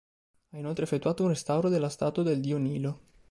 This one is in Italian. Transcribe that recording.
Ha inoltre effettuato un restauro della statua del dio Nilo.